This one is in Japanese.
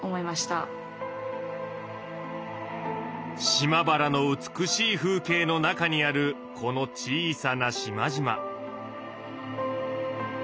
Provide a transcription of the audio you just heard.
島原の美しい風景の中にあるこの小さな島々。